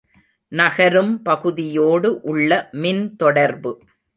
நகரும் பகுதியோடு உள்ள மின்தொடர்பு.